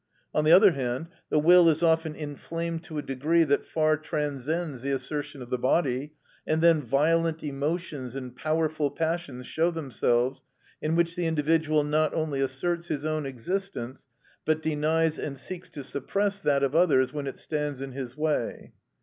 On the other hand, the will is often inflamed to a degree that far transcends the assertion of the body, and then violent emotions and powerful passions show themselves, in which the individual not only asserts his own existence, but denies and seeks to suppress that of others when it stands in his way.